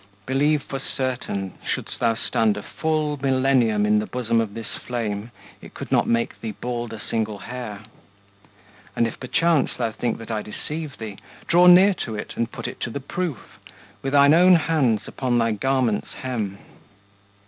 Believe for certain, shouldst thou stand a full Millennium in the bosom of this flame, It could not make thee bald a single hair. And if perchance thou think that I deceive thee, Draw near to it, and put it to the proof With thine own hands upon thy garment's hem.